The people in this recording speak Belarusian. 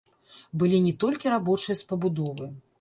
Былі не толькі рабочыя з пабудовы.